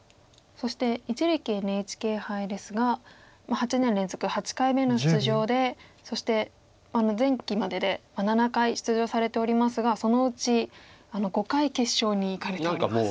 そして一力ＮＨＫ杯ですが８年連続８回目の出場でそして前期までで７回出場されておりますがそのうち５回決勝にいかれております。